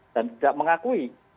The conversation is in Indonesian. dan tidak mengakui